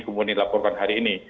kemudian dilaporkan hari ini